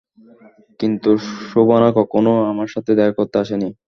কিন্তু শোবানা কখনো আমার সাথে দেখা করতে আসেনি।